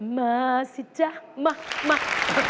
มาสิจ๊ะมา